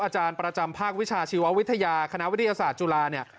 อาจารย์ประจำภาควิชาชีววิทยาคณะวิทยาศาสตร์จุฬาเนี่ย